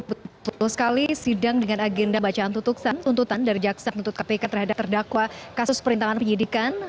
betul sekali sidang dengan agenda bacaan tuntutan dari jaksa penuntut kpk terhadap terdakwa kasus perintangan penyidikan